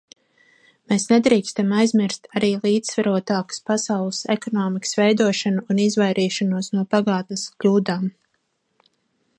Mēs nedrīkstam aizmirst arī līdzsvarotākas pasaules ekonomikas veidošanu un izvairīšanos no pagātnes kļūdām.